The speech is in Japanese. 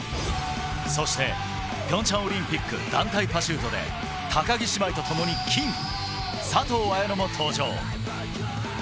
そしてピョンチャンオリンピック団体パシュートで高木姉妹とともに金、佐藤綾乃も登場。